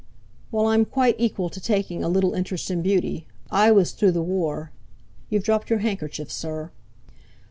"Well, I'm quite equal to taking a little interest in beauty. I was through the War. You've dropped your handkerchief, sir."